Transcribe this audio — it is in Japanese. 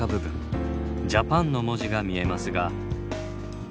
「ＪＡＰＡＮ」の文字が見えますが。